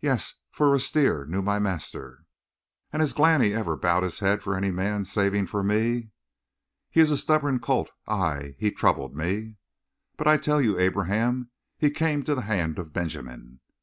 "Yes, for Rustir knew my master." "And has Glani ever bowed his head for any man saving for me?" "He is a stubborn colt. Aye, he troubled me!" "But I tell you, Abraham, he came to the hand of Benjamin!"